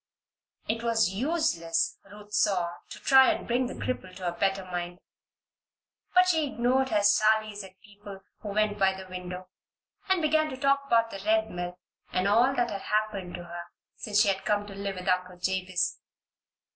It was useless, Ruth saw, to try and bring the cripple to a better mind. But she ignored her sallies at people who went by the window, and began to talk about the Red Mill and all that had happened to her since she had come to live with Uncle Jabez.